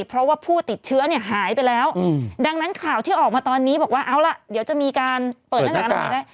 เพราะว่าผู้ติดเชื้อเนี่ยหายไปแล้วดังนั้นข่าวที่ออกมาตอนนี้บอกว่าเอาล่ะเดี๋ยวจะมีการเปิดหน้ากากอนามัยได้